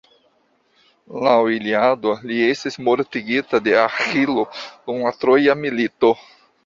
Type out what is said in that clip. Laŭ la Iliado, li estis mortigita de Aĥilo dum la troja milito.